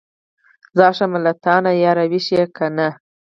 ځار شم له تانه ياره ویښ کېنه.